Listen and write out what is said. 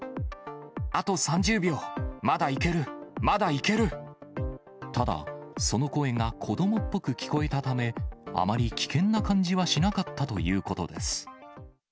あと３０秒、ただ、その声が子どもっぽく聞こえたため、あまり危険な感じはしなかったということです。